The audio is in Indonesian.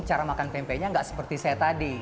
cara makan pempeknya nggak seperti saya tadi